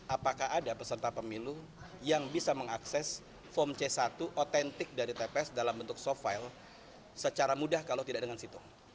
apakah ada peserta pemilu yang bisa mengakses form c satu otentik dari tps dalam bentuk soft file secara mudah kalau tidak dengan situng